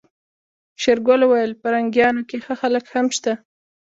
شېرګل وويل پرنګيانو کې ښه خلک هم شته.